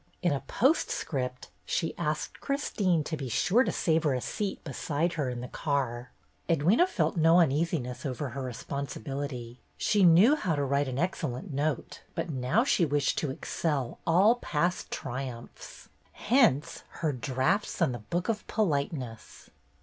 In a postscript, she asked Christine to be sure to save her a seat beside her in the car. Edwyna had felt no uneasiness over her re sponsibility. She knew how to write an ex cellent note, but now she wished to excel all past triumphs. Hence her draughts on "The Book of Politeness."